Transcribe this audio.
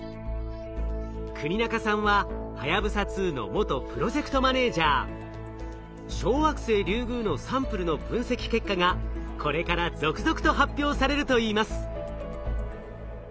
國中さんは小惑星リュウグウのサンプルの分析結果がこれから続々と発表されるといいます。